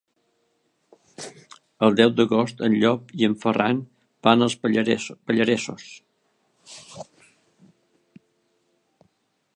El deu d'agost en Llop i en Ferran van als Pallaresos.